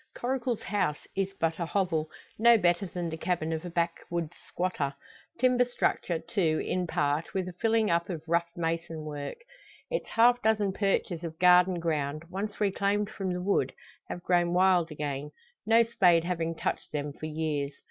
Coracle's house is but a hovel, no better than the cabin of a backwoods squatter. Timber structure, too, in part, with a filling up of rough mason work. Its half dozen perches of garden ground, once reclaimed from the wood, have grown wild again, no spade having touched them for years.